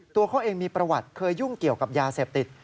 ตัวเขาเองมีประวัติเคยยุ่งเกี่ยวกับยาเสพติด